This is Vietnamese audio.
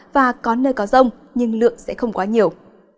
và có nơi có rông nhưng lượng sẽ không quá nhiều